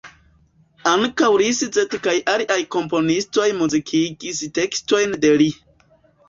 Ankaŭ Liszt kaj aliaj komponistoj muzikigis tekstojn de li.